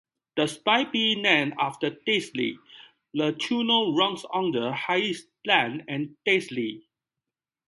Despite being named after Disley, the tunnel runs under High Lane and Disley.